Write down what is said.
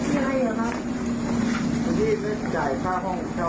มีอะไรเหรอครับพี่ไม่ได้จ่ายค่าห้องเที่ยว